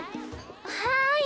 はい。